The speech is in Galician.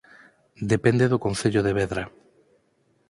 Depende do Concello de Vedra